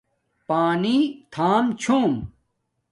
پانی تھام چھوم